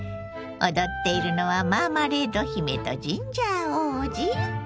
踊っているのはマーマレード姫とジンジャー王子？